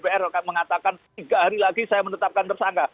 dpr mengatakan tiga hari lagi saya menetapkan tersangka